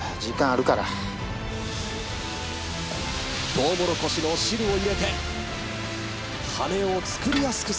トウモロコシの汁を入れて羽根を作りやすくするという。